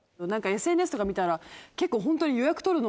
ＳＮＳとか見たら結構ホントに。